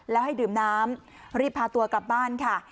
แล้วให้ดื่มน้ำรีบพาตัวกลับบ้านค่ะ